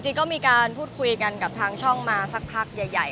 จริงก็มีการพูดคุยกันกับทางช่องมาสักพักใหญ่